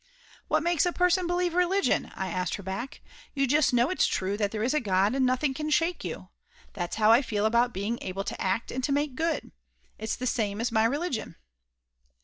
"What makes a person believe religion?" I asked her back. "You just know it's true that there is a God and nothing can shake you. That's how I feel about being able to act and to make good. It's the same as my religion."